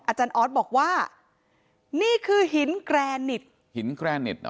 อาจารย์ออสบอกว่านี่คือหินแกรนิตหินแกรนิต